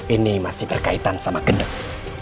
ini masih berkaitan sama gedung